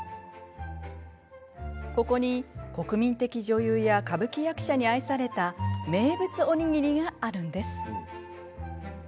ここに、国民的女優や歌舞伎役者に愛された名物おにぎりがあるんです。